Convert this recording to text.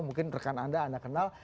mungkin rekan anda anda kenal